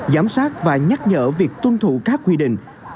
giám sát và nhắc nhở việc tuân thủ các quy định